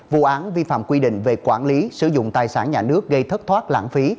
vụ án vi phạm quy định về quản lý sử dụng tài sản nhà nước gây thất thoát lãng phí